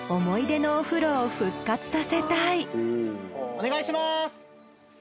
お願いします！